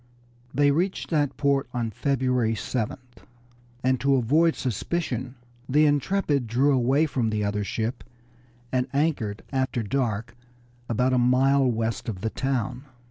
They reached that port on February 7th, and to avoid suspicion the Intrepid drew away from the other ship and anchored after dark about a mile west of the town.